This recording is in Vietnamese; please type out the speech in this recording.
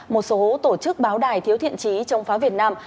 một số tổ chức báo đài thiếu thiện trí chống phá việt nam